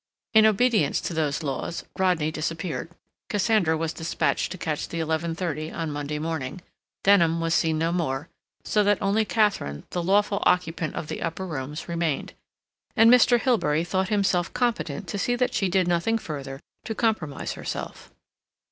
In obedience to those laws, Rodney disappeared; Cassandra was dispatched to catch the eleven thirty on Monday morning; Denham was seen no more; so that only Katharine, the lawful occupant of the upper rooms, remained, and Mr. Hilbery thought himself competent to see that she did nothing further to compromise herself.